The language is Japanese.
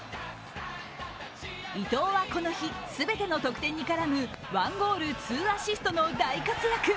伊東はこの日、全ての得点に絡む１ゴール・２アシストの大活躍。